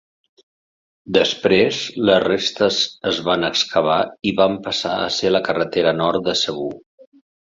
Després, les restes es van excavar i van passar a ser la carretera nord de Cebu.